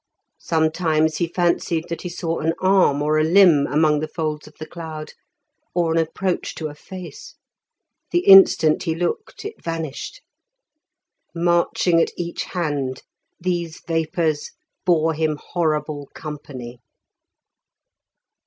Sometimes he fancied that he saw an arm or a limb among the folds of the cloud, or an approach to a face; the instant he looked it vanished. Marching at each hand these vapours bore him horrible company.